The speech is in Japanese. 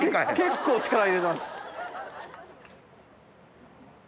結構力入れてます。